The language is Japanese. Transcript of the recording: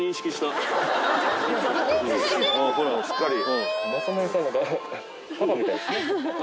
すっかり。